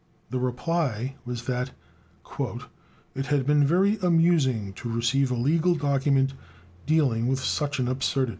The reply was that "it had been very amusing to receive a legal document dealing with such an absurdity."